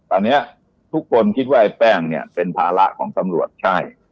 ตอนนี้ทุกคนคิดว่าไอ้แป้งเนี่ยเป็นภาระของตำรวจใช่